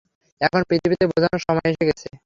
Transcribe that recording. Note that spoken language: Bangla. এখন পৃথিবীকে বোঝানোর সময় এসে গেছে।